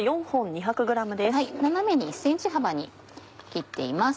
斜めに１ｃｍ幅に切っています。